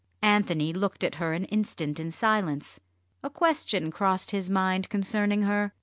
Anthony looked at her an instant in silence. A question crossed his mind concerning her.